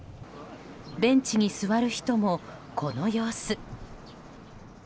ベンチに座る人も、この様子。